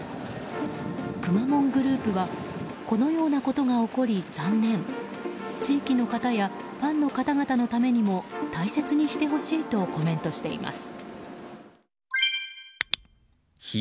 くまモングループはこのようなことが起こり、残念地域の方やファンの方々のためにも大切にしてほしいとコメントしています。